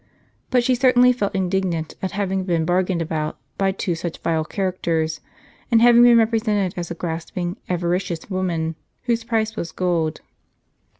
But she certainly felt indignant at having been bargained about by two such vile characters, and having been repre sented as a grasping avaricious woman, whose price was gold.